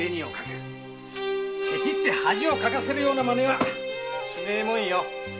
ケチって恥をかかせるマネはしねえもんよ。